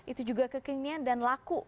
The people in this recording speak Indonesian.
itu juga kekinian dan laku